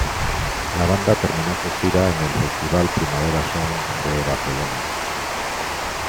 La banda terminó su gira en el festival Primavera Sound de Barcelona.